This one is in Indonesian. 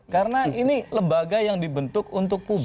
karena ini lembaga yang dibentuk untuk publik